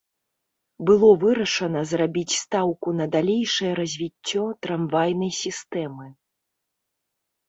Было вырашана зрабіць стаўку на далейшае развіццё трамвайнай сістэмы.